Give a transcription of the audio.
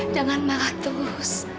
jangan marah terus